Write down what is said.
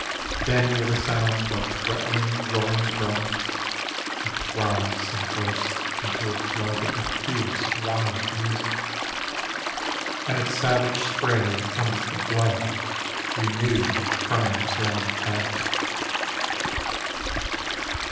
Then with a sound like threatening rolling drums, it throbs A: .d bursts into a flood Of tierce wild music : and its savage spray Becomes the blood Renewed, of crimes long past.